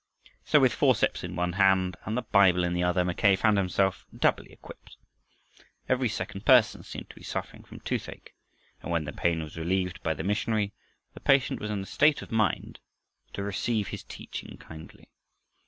So with forceps in one hand and the Bible in the other, Mackay found himself doubly equipped. Every second person seemed to be suffering from toothache, and when the pain was relieved by the missionary, the patient was in a state of mind to receive his teaching kindly.